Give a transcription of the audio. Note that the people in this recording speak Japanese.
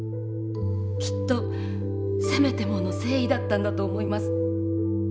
きっとせめてもの誠意だったんだと思います。